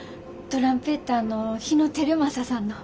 トランペッターの日野皓正さんの。